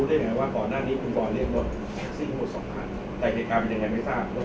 ไล่เรียงเหตุการณ์เป็นยังไงไม่ทราบแล้วคุณบุญได้ไง